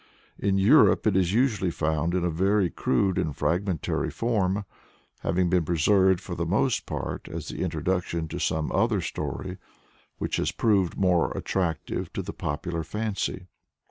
" In Europe it is usually found in a very crude and fragmentary form, having been preserved, for the most part, as the introduction to some other story which has proved more attractive to the popular fancy.